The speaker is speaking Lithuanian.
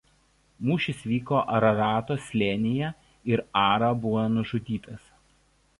Mūšis vyko Ararato slėnyje ir Ara buvo nužudytas.